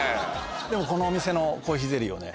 このお店のコーヒーゼリーをね